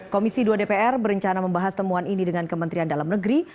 komisi dua dpr berencana membahas temuan ini dengan kementerian dalam negeri